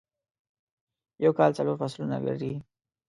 یوکال څلور فصلونه لری